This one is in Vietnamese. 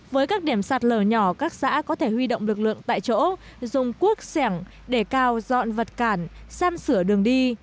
với các điểm sạt lở nhỏ các xã có thể huy động lực lượng tại chỗ dùng cuốc sẻng để cao dọn vật cản săn sửa đường đi